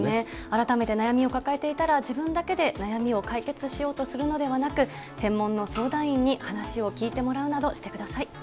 改めて悩みを抱えていたら、自分だけで解決しようとするのではなく、専門の相談員に話を聞いてもらうなどしてください。